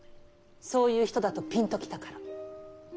そういう人だとピンと来たから。